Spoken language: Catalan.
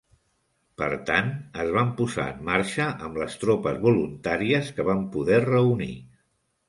Per tant, es van posar en marxa amb les tropes voluntàries que van poder reunir.